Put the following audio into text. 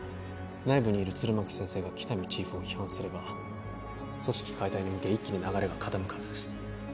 内部にいる弦巻先生が喜多見チーフを批判すれば組織解体に向け一気に流れが傾くはずです